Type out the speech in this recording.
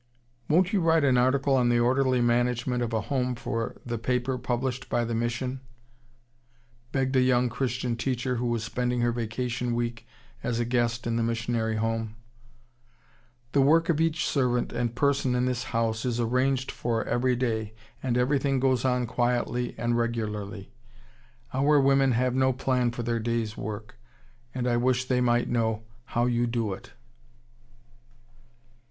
] "Won't you write an article on the orderly management of a home for the paper published by the mission?" begged a young Christian teacher who was spending her vacation week as a guest in the missionary home. "The work of each servant and person in this house is arranged for every day, and everything goes on quietly and regularly. Our women have no plan for their day's work, and I wish they might know how you do it."